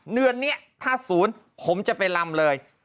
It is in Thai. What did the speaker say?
เดือนนี้ถ้าศูนย์ผมจะไปลำเลย